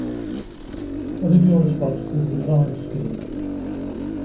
What is your response to the design scheme?